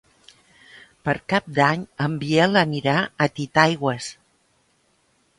Per Cap d'Any en Biel anirà a Titaigües.